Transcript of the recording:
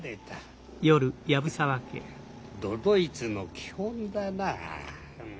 フッ都々逸の基本だなあ。